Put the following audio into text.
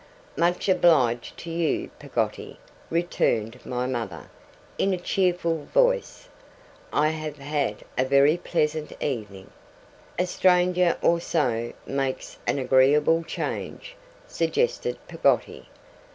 'Much obliged to you, Peggotty,' returned my mother, in a cheerful voice, 'I have had a VERY pleasant evening.' 'A stranger or so makes an agreeable change,' suggested Peggotty.